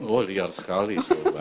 oh liar sekali